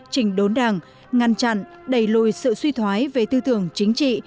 chỉnh đốn đảng ngăn chặn đẩy lùi sự suy thoái về tư tưởng chính trị